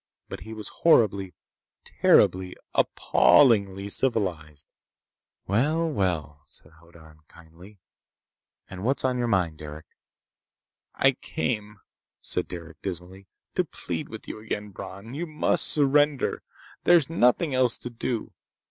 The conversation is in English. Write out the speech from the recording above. But he was horribly, terribly, appallingly civilized! "Well! Well!" said Hoddan kindly. "And what's on your mind, Derec?" "I came," said Derec dismally, "to plead with you again, Bron. You must surrender! There's nothing else to do!